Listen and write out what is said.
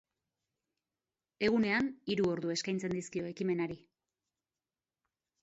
Egunean hiru ordu eskaintzen dizkio ekimenari.